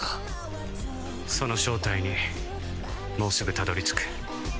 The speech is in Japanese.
その正体にもうすぐたどり着く。